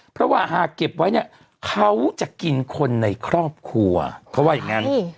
เพราะว่าหากเก็บไว้เนี่ยเขาจะกินคนในครอบครัวเขาว่าอย่างนั้น